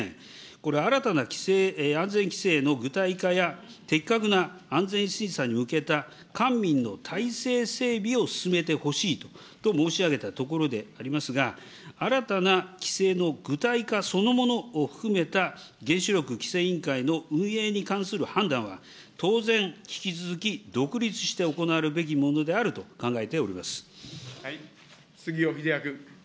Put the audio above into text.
これ、新たな安全規制の具体化や、的確な安全審査に向けた官民の体制整備を進めてほしいと申し上げたところでありますが、新たな規制の具体化そのものを含めた原子力規制委員会の運営に関する判断は、当然、引き続き独立して行われるべきものであると考杉尾秀哉君。